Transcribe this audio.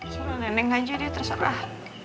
soalnya neneng nggak jadi terserah